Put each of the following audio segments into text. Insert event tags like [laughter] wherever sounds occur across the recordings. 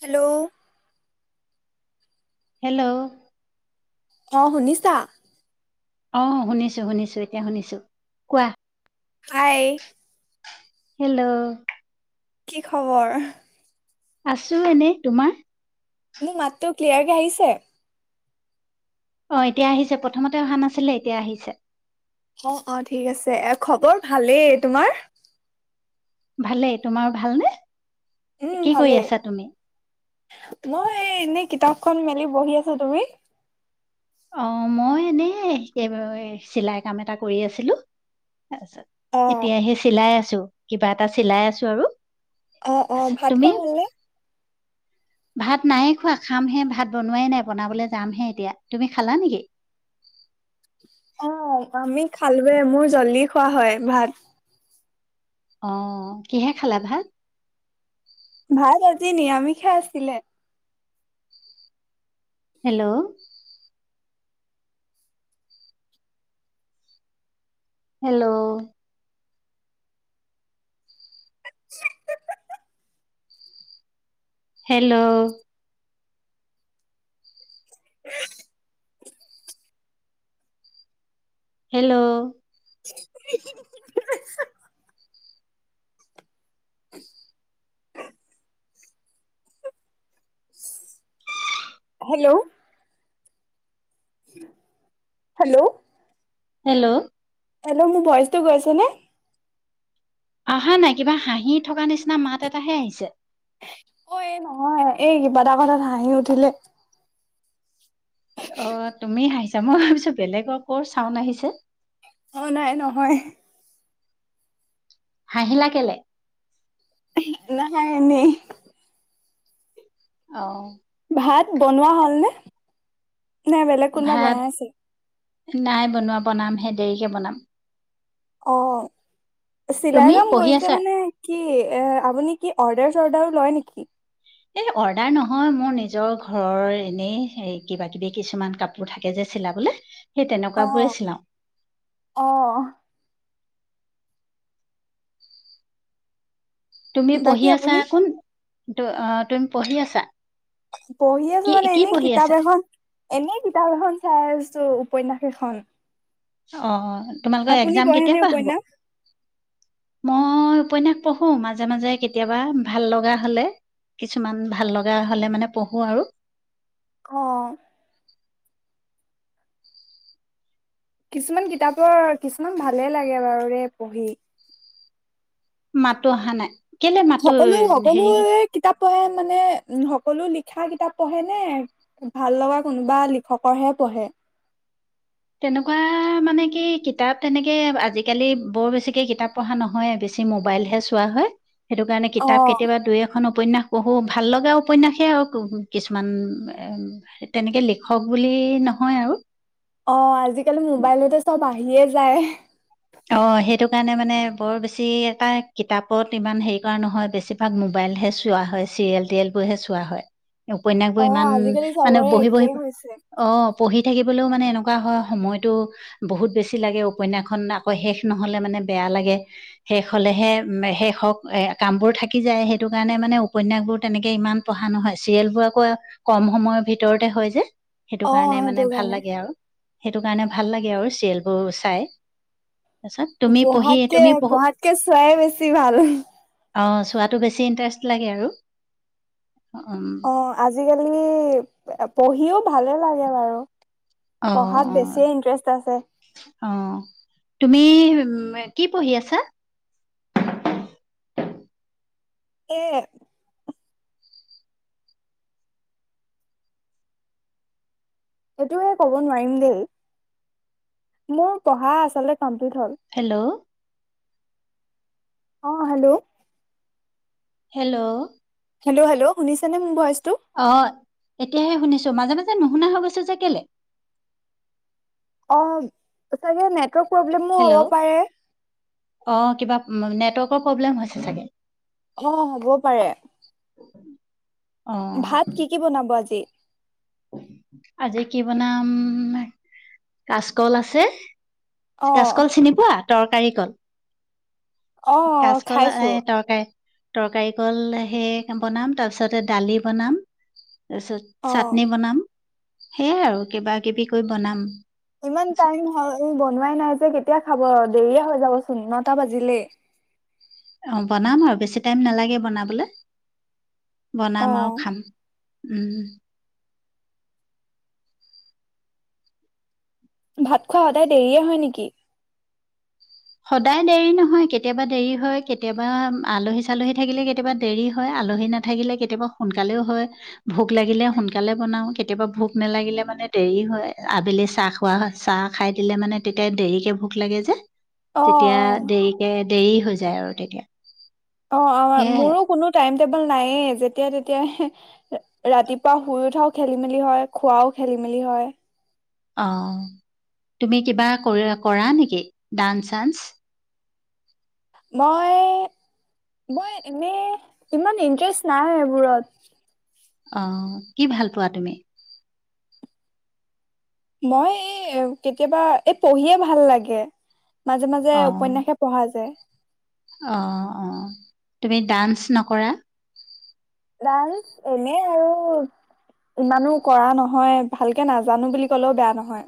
Hello hello অ শুনিছা অ শুনিছো শুনিছো এতিয়া শুনিছো কোৱা হয়াই হেল্ল' কি খবৰ আছো এনে তোমাৰ মোৰ মাতটো ক্লিয়াৰকে আহিছে অ এতিয়া আহিছে প্ৰথমতে অহা নাছিলে এতিয়া আহিছে অ অ ঠিক আছে খবৰ ভালেই তোমাৰ ভালেই তোমাৰ ভালনেে উম ভালেই মই এনে কিতাপখন মেলি বহি আছা তুমি অ মই এনেই চিলাই কাম এটা কৰি আছিলো অ এতিয়া সে চিলাই আছে আছ কিবা এটা চিলাই আছো আৰু অ অ তাৰপিছত ভাত তুমি খোৱা হলনে ভাত নায়ে খোৱা খামহে ভাত বনোৱাই নাই বনাবলৈ যামহে এতিয়া তুমি খালা নেকি অ আমি খালৱে মোৰ জল্দি খোৱা হয় ভাত অ কিহে খালা ভাল ভাল আজি নিআমিষে আছিলে hello hello hello hello hello hello hello hello মোৰ ভইচটো গৈছে নে অহা নাই কিবা হাঁহি থকা নিচিনা মাত এটাহে আহিছে অ এই নহয় এই কিবা এটা কথাত হাঁহি উঠিলে অ তুমি হাহিচা মই ভাবিছো বেলেগৰ ক চাউন আহিছে অ নাই নহয় হাঁহিলা কেলে নহয় এনেই। অ ভাত বনোৱা হ'লনেে নাই বেলেগ কোনোবা ভাত বনাই আছে নাই বনোৱা বনামহে দেৰিকে বনাম অ চিলাই তুমি কাম পঢ়ি কৰিছে আছা মানে কি এ আপুনি কি অৰ্ডাৰ চৰ্ডাৰ লয় নেকি এ অৰ্ডাৰ নহয় মোৰ নিজৰ ঘৰৰ এনেই কিবা কিবি কিছুমান কাপোৰ থাকে যে চিলাবলৈ আহ আহ তুমি বাকী পঢ়ি আছা আপুনি কোন ত অ তুমি পঢ়ি আছা পঢ়ি কি আছো মানে কি এনেই পঢ়ি কিতাপ আছা এখন এনে কিতাপ এখন চাই আছো উপন্যাস এেইখন অ তোমালোকৰ এক্জাম কেতিয়া পৰা উপন্যাস হব মই উপন্যাস পঢ়োঁ মাজে মাজে কেতিয়াবা ভাল লগা হ'লে কিছুমান ভাল লগা হ'লে মানে পঢ়োঁ আৰু অ কিছুমান কিতাপৰ কিছুমান ভালে লাগে বাৰু ৰে পঢ়ি মাতো অহা নাই কেলে মাতো সকলো হেৰি সকলোে হৈ কিতাপ পঢ়ে মানে উ সকলো লিখা কিতাপ পঢ়ে নে ভাল লগা কোনোবা লিখকৰহে পঢ়ে তেনেকুৱা মানে কি কিতাপ তেনেকে আজিকালি বৰ বেছিকে কিতাপ পঢ়া নহয় বেছি মোবাইলহে চোৱা হয় সেইটো কাৰণে অ কিতাপ কেতিয়াবা দুই এ উপন্যাস পহো ভাল লগা উপন্যাসে আৰু কিছুমান এ তেনেকে লিখক বুলি নহয় আৰু অ আজিকালি মোবাইলতে চব আছে আহিয়ে যায় অ সেইটো কাৰণে মানে বৰ বেছি এটা কিতাপত ইমান হেৰি কৰা নহয় বেছিভাগ মোবাইলহে চোৱা হয় চিৰিয়েল টৰিয়েলবোৰহে চোৱা হয় অ উপনয়াসবোৰ ইমান আজিকালি মানে চবৰে বহি বহি একেই হৈছে অ পঢ়ি থাকও মানে এনেকুৱা হয় সময় বহুত বেছি লাগ উপখন শেষ নহলে মানে বেয়া লাগে শেষ হলেহে শেষ হক এ কামবোৰ থাকি যায় সেইটো কাৰণে মানে উপনয়াসবোৰ তেনেকে ইমান পঢ়া নহয় চিৰিয়েল বোৰ আকৌ কম সময়ৰ ভিতৰতে হয় যে সেইটো অ কাৰণে মানে সেইটো ভাল কাৰণে লাগে আৰু সেইটো কাৰণে ভাল লাগে আৰু চিৰিয়েলবোৰ চাই তাৰপিছত তুমি পঢ়ি পঢ়াতকে তুমি বহুত পঢ়াতকে চোৱাই বেছি ভাল অ চোৱাতটো বেছি ইণ্টাৰেষ্ট লাগে আৰু উম অ আজিকালি পঢ়িও ভালে লাগে বাৰু অ পঢ়াত অ বেছিয়ে ইন্টাৰেষ্ট আছে অ তুমি উম কি পঢ়ি আছা এ এইটোে ক'ব নোৱাৰিম দেই মোৰ পঢ়া আচলতে পাম্পিত হ'ল হেল্ল' আহ হেল্ল' হেল্ল' হেল্ল হেল্ল শুনিছ ন ম ভ অ এতিয়াহে শুনিছো মাজে মাজে নুশুনা হৈ গৈছো যে কেলে অ চ ন [unintelligible] প্ৰব্লেমো হ'ব হেল্ল' পাৰে অ কিবা নেটৱৰ্কৰ প্ৰব্লেম হৈছে চাগে অ হ'ব পাৰে অ ভাত কি কি বনাব আজি আজি কি বনাম কাচকল আছে অ কাচকল চিনি পোৱা তৰকাৰ কল অ খাইছো তৰকাৰিকল সে বনাম তাৰপিছতে দালি বনাম তাৰপিছত অ চাত সেইয়াই আৰু কিবা কিবি কৈ বনাম ইমান টাইম হয় বনোৱাই নাই যে কেতিয়া খাব দেৰিয় হৈ যাব চো নটা বাজিলেই অ বনাম আৰু বেছি টাইম নালাগে বনাবলৈ বনাম আৰু অ', খাম উম ভাত খোৱা সদায় দেৰিয়ে হয় নেকি সদায় দেৰি নহয় কেতিয়াবা দেৰি হয় কেতিয়াবা আলহী চালহী থাকিলে কেতিয়াবা দেৰি হয় আলহী নাথাকিলে কেতিয়াবা সোনকালেও হয় ভোক লাগিলে সোনকালে বনাও কেতিয়াবা ভোক নালাগিলে মানে দেৰি হয় আবেলি চাহ খোৱা হয় চাহ খাই দিলে মানে তেতিয়া দেৰিকে ভোক লাগে যে অ তেতিয়া অ', দেৰিকে দেৰি হৈ যায় আৰু তেতিয়া অ সেয়াই মোৰো কোনো টাইম েবল নাইে যেতিয়া তেতিয়া ৰাতিপুৱা শুই উঠাও খেলি মেলি হয় খোৱাও খেলি মেলি হয় অ তুমি কিবা কৰি কৰা নেকি ডান্স চানস মই মই এনেই ইমান ইন্টাৰেষ্ট নাই এইবোৰত অ কি ভাল পোৱা তুমি মই এই কেতিয়াবা এই পঢ়িয়ে ভাল লাগে মাজে মাজে অ', উপন্যাসে পঢ়া যায় অ অ তুমি ডান্স নকৰা ডানস এনে আৰু ইমানো কৰা নহয় ভালকে নাজানো বুলি ক'লেও বেয়া নহয়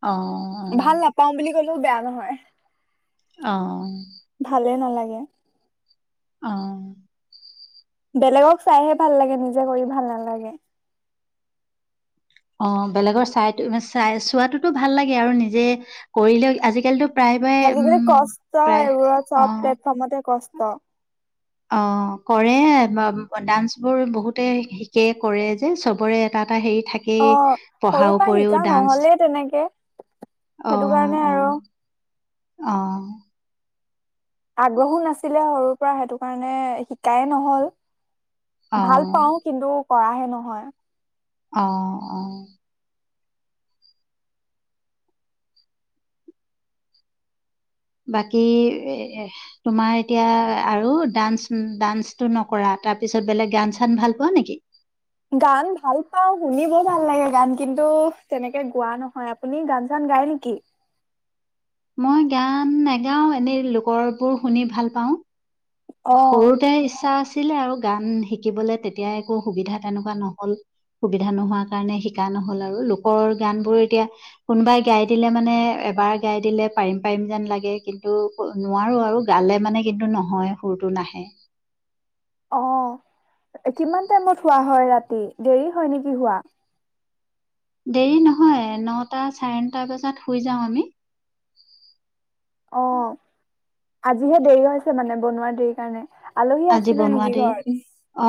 অ ভাল নাপাওঁ বুলি কলেও বেয়া নহয় আহ দিয়ে অ বেলেগক চাইহে ভাল লাগে নিজে কৰি ভাল নালাগে অ বেলেগৰ চাইো চাই চোৱাতোতো ভাল লাগে আৰু নিজে কৰিলে আজিকালিতো প্ৰায়বাই আজিকালি উম, কষ্ট প্ৰায় এইবোৰত চব অ', প্লেটফৰ্মতে কষ্ট কু্ত অ কৰে ডান্স বোৰ বহুতে শিকে কৰে যে চবৰে এটা টা হেৰি অ থাকেই সৰুৰ পঢ়াৰ পৰা উপৰিও শিকা ডান্স নহলে তেনেকে অ সেইটো কাৰণে অ আৰু আহ আগ্ৰহো নাছিলে সৰুৰ পৰা সেইটো কাৰণে শিকায় নহল ভাল অ', পাও কিন্তু কৰা হে নহয় আহ অ বাকী তোমাৰ এতিয়া আৰু ডান্স ডান্সটো নকৰা তাৰ পিছত বেলেগ গান চান ভাল পোৱা নেকি গান ভাল পাও শুনিবৰ ভাল লাগে গান কিন্তু তেনেকে গোৱা নহয় আপুনি গান চান গায় নেকি মই গান নাগাওঁ এনেই লোকৰবোৰ শুনি ভাল পাওঁ অ সৰুতে ইচ্ছা আছে আছিলে আৰু গান শিকিবলে তেতিয়া একো সুবিধা তেনেকুৱা নহল সুবিধা নোহোৱা কাৰণে শিকা নহল আৰু লোকৰ গান বোৰ এতিয়া কোনোবাই গাই দিলে মানে এবাৰ গাই দিলে পাৰিম পাৰিম যেন লাগে কিন্তু নোৱাৰো আৰু গালে মানে কিন্তু নহয় সুৰটো নাহে অ কিমান টাইমত হোৱা হয় ৰাতি দেৰি হয় নেকি হোৱা দেৰি নহয় নটা চাৰে নটা বজাত শুই যাওঁ আমি অ আজিহে দেৰি হৈছে মানে বনোৱাৰ দেৰি কাৰণে আলহী আজি আছিলে বনোৱা নেকি দেই ঘৰত?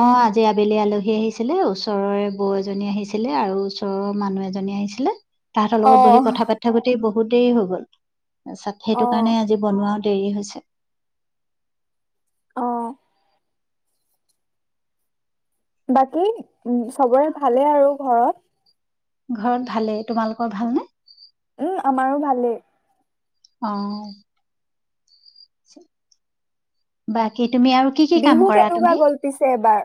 অ আজি আবেলি আলহী আহিছে ছিলে ওচৰৰে বৌ এজনী আহিছিলে আৰু ওচৰৰ মানুহ এজনী আহিছিলে তাহাঁতৰ লগত বহি কথা অ পাতা পাতি বহি বহুতেই হৈ গ'ল [inaudible] সেইটো কাৰণে আজি বনোৱা দেৰি হৈছে। অ। বাকী উ, চবৰে ভালেই আৰু ঘৰত? ঘৰত ভালেই, তোমালোকৰ ভালনে? উম, আমাৰো ভালেই। অ। [inaudible] বাকী, তুমি আৰু কি কি কাম বিহু কৰা কেনেকুৱা তুমি গল পিছে এবাৰ?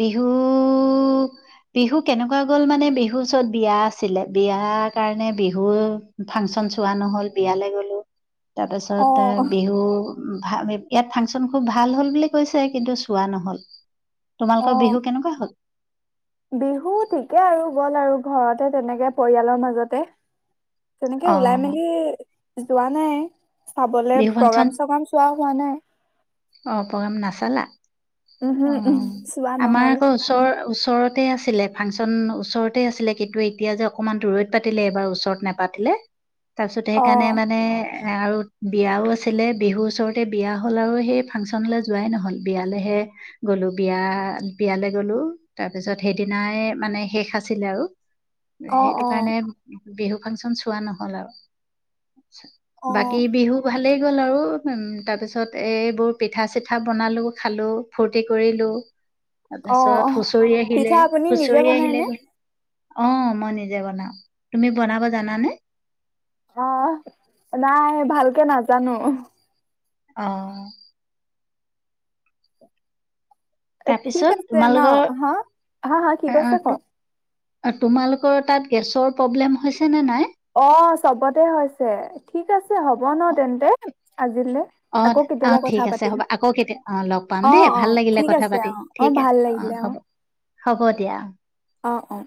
বিহু বিহু কেনেকুৱা গ'ল মানে বিহুৰ ওচত বিয়া আছিলে, বিয়াৰ কাৰণে বিহু ফাংচন চোৱা নহ'ল, বিয়ালৈ গ'লো। তাৰপিছত, অ তা বিহু [unintelligible] ইয়াত ফাংচন খুব ভাল হ'ল বুলি কৈছে, কিন্তু চোৱা নহল। অ, তোমালোকৰ বিহু কেনেকুৱা হ'ল? বিহু ঠিকে আৰু গল, আৰু ঘৰতে তেনেকে পৰিয়ালৰ মাজতে। তেনেকে ওলাই অ'। মেলি যোৱা নাই। চাবলে বিহু ফাংচন প্ৰগ্ৰাম চগ্ৰাম চোৱা। পোৱা নাই? অ, প্ৰগ্ৰাম নাচালা? উমহো অ, উম চোৱা আমাৰ নহল আকৌ ওচৰৰ ওচ ওচৰতে আছিলে ফাংচন, ওচৰতে আছিলে, কিন্তু এতিয়া যে অকণমান দূৰৈত পাতিলে এবাৰ ওচৰত নোপাতিলে। তাৰপিছত অ সেইকাৰণে মানে আৰু বিয়াও আছিলে বিহুৰ ওচৰতে, বিয়া হ'ল আৰু সেই ফাংচনলৈ যোৱাই নহ'ল, বিয়ালেহে গলো, বিয়া বিয়ালৈ গ'লো, তাৰপিছত সেইদিনাই মানে শেষ আছিলে আৰু অ সেইটো অ কাৰণে। বিহু ফাংচন চোৱা নহল আৰু। বাকী বিহু ভালেই। গ'ল আৰু তাৰপিছত এইবোৰ পিঠা চিঠা বনালোঁ, খালোঁ, ফূৰ্তি কৰিলো। অ অ তাৰপিছত হুচৰি আহিলে, পিঠা আপুনি নিজে হুচৰি বনাই আহিলে নে? [unintelligible] অ, মই নিজে বনাও। তুমি বনাব জানানে? অ, নাই, ভালকে নাজানো। অ। ঠিক তাৰপিছত আছে ন, তোমালোকৰ হা, হা, হা, কি আহ, কৈছে ক তো- তোমালোকৰ তাত গেছৰ প্ৰব্লেম হৈছে নে নাই অ, চবতে হৈছে, ঠিক আছে হ'ব ন তেন্তে আ অ অ ঠিক আছে হ'ব আকৌ কেতিয়া অ লগ পাম অ দেই অ ভাল লাগিলে ঠিক কথা আছে পাতি অ। অ ঠিক আছে ভাল অ লাগিলে হ'ব হ'ব দিয়া অ অ